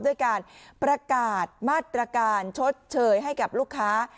ด้วยการประกาศมาตรการชดเชยให้กับลูกค้า